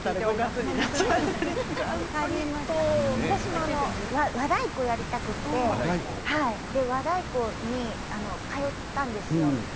私も和太鼓をやりたくて和太鼓に通ったんですよ。